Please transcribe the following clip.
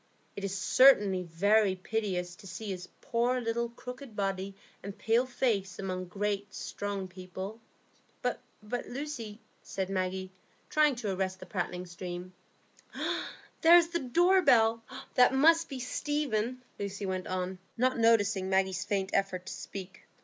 It is certainly very piteous to see his poor little crooked body and pale face among great, strong people." "But, Lucy——" said Maggie, trying to arrest the prattling stream. "Ah, there is the door bell. That must be Stephen," Lucy went on, not noticing Maggie's faint effort to speak.